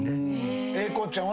英孝ちゃんは？